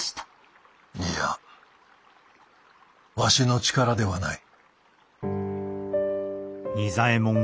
いやわしの力ではない。